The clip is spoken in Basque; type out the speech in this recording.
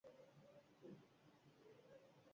Gaur egun, gainkostu hori askoz handiagoa da.